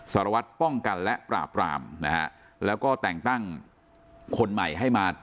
สารวัตรป้องกันและปราบรามนะฮะแล้วก็แต่งตั้งคนใหม่ให้มา